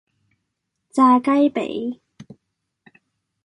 炸雞髀